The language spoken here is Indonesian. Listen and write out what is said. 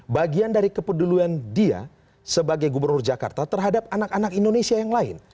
bagian dari kepedulian dia sebagai gubernur jakarta terhadap anak anak indonesia yang lain